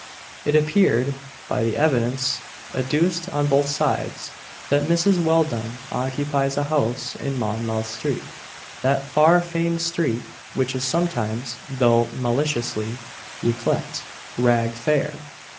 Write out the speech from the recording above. It appeared by the evidence adduced on both sides, that Mrs. Welldone occupies a house in Monmouth street that far famed street which is sometimes, though maliciously, yclep'd "Rag fair."